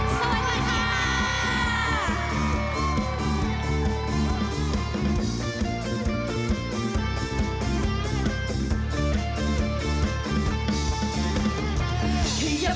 สวัสดีค่ะ